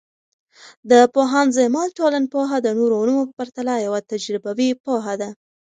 د پوهاند زیمل ټولنپوهنه د نورو علومو په پرتله یوه تجربوي پوهه ده.